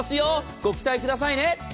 ご期待くださいね。